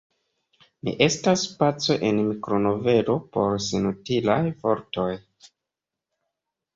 Ne estas spaco en mikronovelo por senutilaj vortoj.